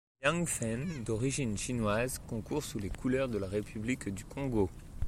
Yang Fen, d'origine chinoise, concourt sous les couleurs de la République du Congo.